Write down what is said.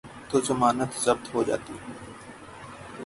تو ضمانت ضبط ہو جاتی ہے۔